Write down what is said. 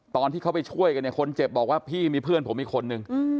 ตอนที่เขาไปช่วยกันเนี่ยคนเจ็บบอกว่าพี่มีเพื่อนผมอีกคนนึง